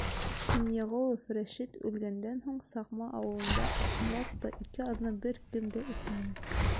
Кинйәғолов Рәшит үлгәндән һуң Саҡма ауылында, ысынлап та, ике аҙна бер кем дә эсмәне.